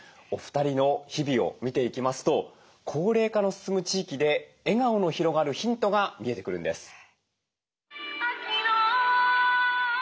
お二人の日々を見ていきますと高齢化の進む地域で笑顔の広がるヒントが見えてくるんです。